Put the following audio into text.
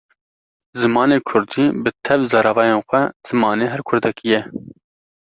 Zimanê Kurdî bi tev zaravayên xwe zimanê her Kurdekî ye.